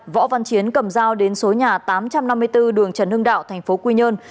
võ văn chiến cầm giao đến số nhà tám trăm năm mươi bốn đường trần hưng đạo tp quy nhơn